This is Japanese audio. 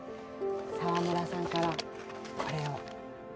澤村さんからこれを。